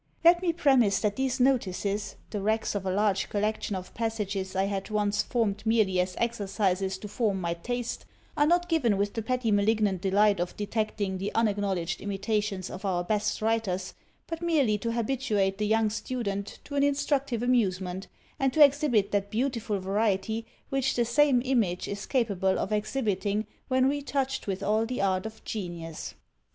Let me premise that these notices (the wrecks of a large collection of passages I had once formed merely as exercises to form my taste) are not given with the petty malignant delight of detecting the unacknowledged imitations of our best writers, but merely to habituate the young student to an instructive amusement, and to exhibit that beautiful variety which the same image is capable of exhibiting when retouched with all the art of genius.